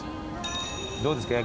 どうですか？